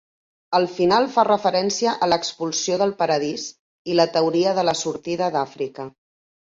El final fa referència a l'Expulsió del Paradís i la teoria de la sortida d'Àfrica.